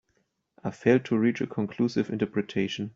I failed to reach a conclusive interpretation.